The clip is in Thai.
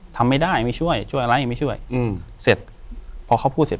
ทำไม่ได้ไม่ช่วยช่วยอะไรไม่ช่วยอืมเสร็จพอเขาพูดเสร็จ